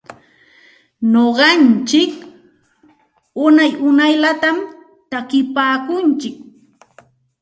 Nuqantsik unay unayllatam takinpaakuntsik.